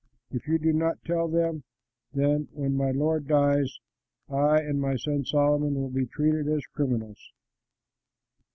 If you do not tell them, then, when my lord dies, I and my son Solomon will be treated as criminals."